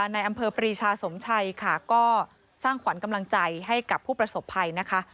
ในอำเภอปรีชาสมชัยค่ะก็สร้างขวัญกำลังใจให้กับผู้ประสบภัยนะคะ